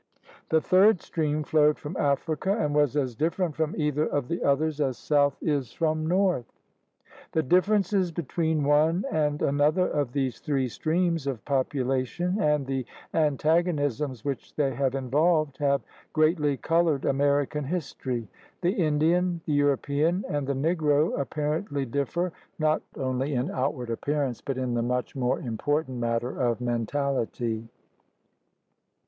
The third stream flowed from Africa and was as different from either of the others as South is from North. The differences between one and another of these three streams of population and the antagonisms which they have involved have greatly colored American history. The Indian, the European, and the Negro apparently differ not only in outward appearance but in the much more important matter of mentality.